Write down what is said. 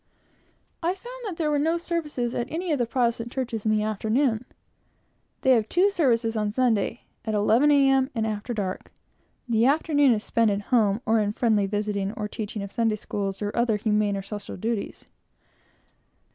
I found that there were no services at any of the Protestant churches in the afternoon. They have two services on Sunday; at 11 A. M., and after dark. The afternoon is spent at home, or in friendly visiting, or teaching of Sunday Schools, or other humane and social duties.